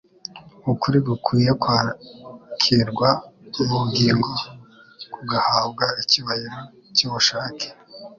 Ukuri gukwiye kwakirwa mu bugingo, kugahabwa icyubahiro cy'ubushake.